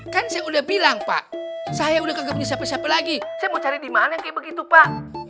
kan saya udah bilang pak saya udah kagak punya siapa siapa lagi saya mau cari di mana kayak begitu pak